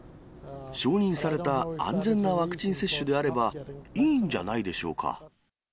承認された安全なワクチン接種であれば、いいんじゃないでしょうか。